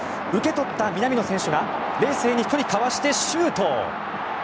受け取った南野選手が冷静に１人かわしてシュート！